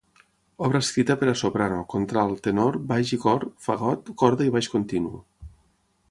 Obra escrita per a soprano, contralt, tenor, baix i cor; fagot, corda i baix continu.